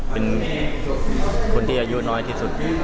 เป็นคนที่อายุน้อยที่สุด